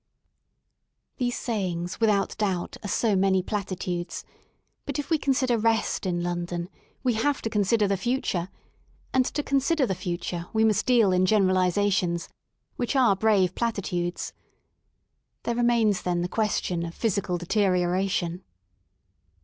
These sayings without doubt are so many platitudes : but if we consider Rest in London, we have to consider the Future, and to consider the Future, we must deal in generalisations, which are brave platitudes. There remains then the question of Physical Deterioration.